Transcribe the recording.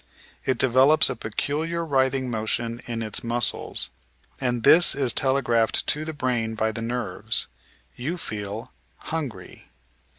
It develops a peculiar writhing motion in its muscles, and this is telegraphed to the brain by the nerves. You feel "hungry."